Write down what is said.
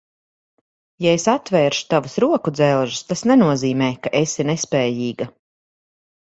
Ja es atvēršu tavus rokudzelžus, tas nenozīmē, ka esi nespējīga.